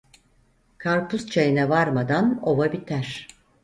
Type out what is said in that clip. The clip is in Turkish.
Karpuz Çayı'na varmadan ova biter.